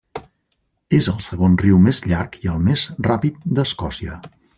És el segon riu més llarg i el més ràpid d'Escòcia.